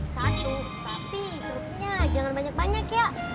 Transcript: satu tapi grupnya jangan banyak banyak ya